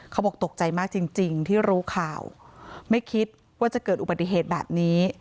เขาบอกตกใจมากจริงที่รู้ข่าวไม่คิดว่าจะเกิดอุบัติเหตุแบบนี้